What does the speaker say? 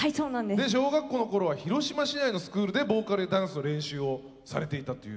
で小学校の頃は広島市内のスクールでボーカルやダンスの練習をされていたという？